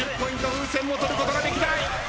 風船をとることができない。